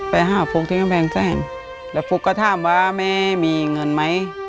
ไปหาฟุ๊กที่กำแพงแสนแล้วฟุ๊กก็ถามว่าแม่มีเงินไหม